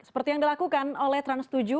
seperti yang dilakukan oleh trans tujuh